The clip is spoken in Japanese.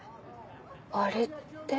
あれって？